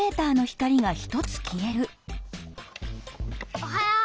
おはよう。